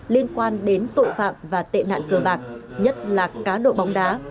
liên quan đến tội phạm và tệ nạn cơ bạc nhất là cá độ bóng đá